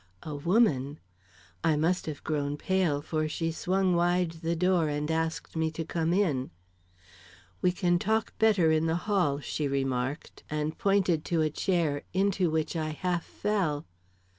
A woman! I must have grown pale, for she swung wide the door and asked me to come in. "We can talk better in the hall," she remarked, and pointed to a chair into which I half fell.